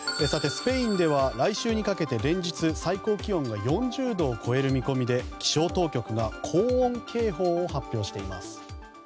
スペインでは来週にかけて連日最高気温が４０度を超える見込みで気象当局が高温警報を発表しています。